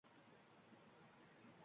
Deganlari bejiz emas dedim.